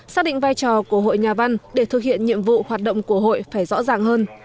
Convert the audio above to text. xác định vai trò của hội nhà văn để thực hiện nhiệm vụ hoạt động của hội phải rõ ràng hơn